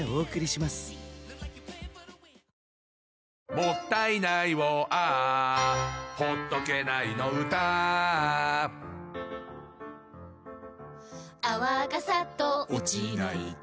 「もったいないをＡｈ」「ほっとけないの唄Ａｈ」「泡がサッと落ちないと」